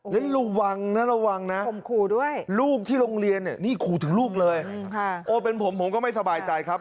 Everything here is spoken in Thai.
แล้วระวังนะนะลูกที่โรงเรียนนี่ขู่ถึงลูกเลยโอเป็นผมผมก็ไม่สบายใจครับ